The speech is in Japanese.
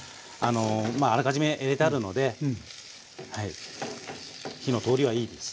まああらかじめ入れてあるのではい火の通りはいいです。